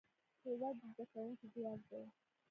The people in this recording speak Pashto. هېواد د زدهکوونکو ځواک دی.